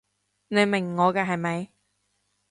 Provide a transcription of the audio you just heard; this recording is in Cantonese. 你明我㗎係咪？